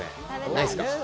ないですか？